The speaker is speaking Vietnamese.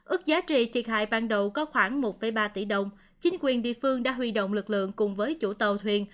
ước giá trị thiệt hại ban đầu có khoảng một ba tỷ đồng chính quyền địa phương đã huy động lực lượng cùng với chủ tàu thuyền